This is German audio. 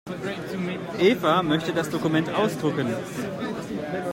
Eva möchte das Dokument ausdrucken.